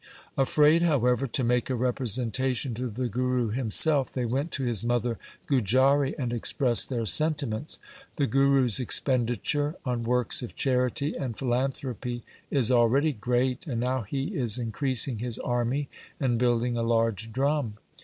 1 Afraid, however, to make a representation to the Guru himself, they went to his mother Gujari and expressed their sentiments : 'The Guru's expenditure on works of charity and philan thropy is already great, and now he is increasing his army and building a large drum.